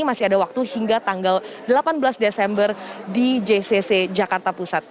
masih ada waktu hingga tanggal delapan belas desember di jcc jakarta pusat